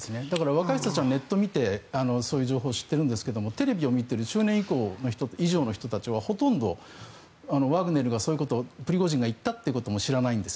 若い人たちは、ネットを見てそういう情報は知っているんですがテレビを見ている中年以上の人たちはほとんどワグネルがそういうことプリゴジンが言ったということも知らないんです。